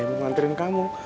ya mau nganterin kamu